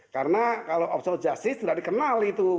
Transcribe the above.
karena kalau obstruction of justice tidak dikenal itu